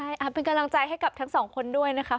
ใช่เป็นกำลังใจให้กับทั้งสองคนด้วยนะคะ